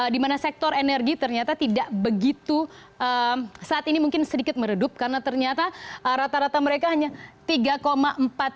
di mana sektor energi ternyata tidak begitu saat ini mungkin sedikit meredup karena ternyata rata rata mereka hanya tiga empat triliun